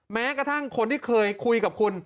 แม้กระทั่งคนที่เคยคุยกับคุณ